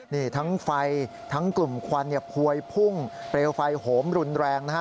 นี่ทั้งไฟทั้งกลุ่มควันพวยพุ่งเปลวไฟโหมรุนแรงนะฮะ